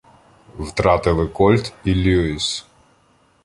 Втратили "Кольт" і "Люїс".